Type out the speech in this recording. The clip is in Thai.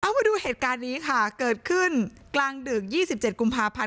มาดูเหตุการณ์นี้ค่ะเกิดขึ้นกลางดึก๒๗กุมภาพันธ